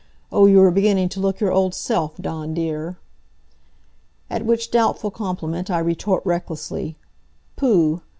Oh, you are beginning to look your old self, Dawn dear!" At which doubtful compliment I retort, recklessly: "Pooh!